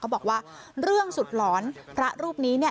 เขาบอกว่าเรื่องสุดหลอนพระรูปนี้